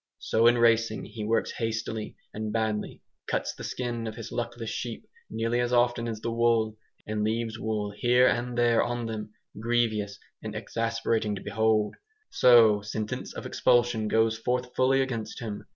So in "racing" he works hastily and badly, cuts the skin of his luckless sheep nearly as often as the wool, and leaves wool here and there on them, grievous and exasperating to behold. So sentence of expulsion goes forth fully against him.